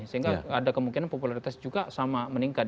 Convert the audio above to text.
sehingga ada kemungkinan popularitas juga sama meningkat